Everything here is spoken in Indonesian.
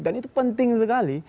dan itu penting sekali